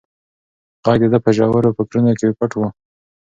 غږ د ده په ژورو فکرونو کې پټ و.